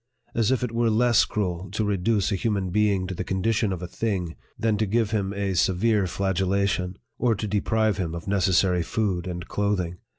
As if it were less cruel to reduce a hu man being to the condition of a thing, than to give him a severe flagellation, or to deprive him of necessary food and clothing